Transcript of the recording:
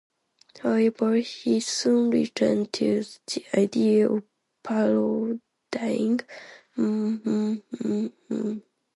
However, he soon returned to the idea of parodying "Mmm Mmm Mmm Mmm".